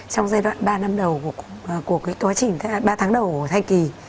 trong giai đoạn ba năm đầu của quá trình ba tháng đầu của thai kỳ